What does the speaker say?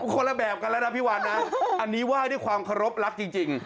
คนละแบบกันแล้วนะพี่วันนะอันนี้ไหว้ด้วยความเคารพรักจริง